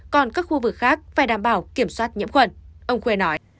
còn các khu vực khác phải đảm bảo kiểm soát nhiễm khuẩn ông khuê nói